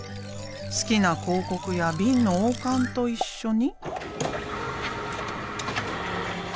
好きな広告やビンの王冠と一緒に。